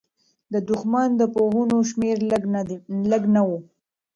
د دښمن د پوځونو شمېر لږ نه و.